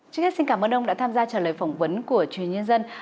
trước hết xin cảm ơn ông đã tham gia trả lời phỏng vấn của truyền nhân dân